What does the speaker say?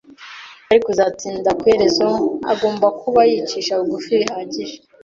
ariko uzatsinda ku iherezo, agomba kuba yicisha bugufi bihagije